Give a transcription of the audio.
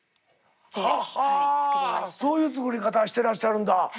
ははそういう作り方してらっしゃるんだ。